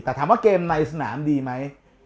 แต่ถามว่าเกมในสนามดีไหม